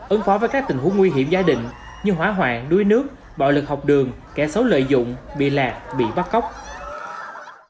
ứng phó với các tình huống nguy hiểm gia đình như hỏa hoạn đuối nước bạo lực học đường kẻ xấu lợi dụng bị lạc bị bắt cóc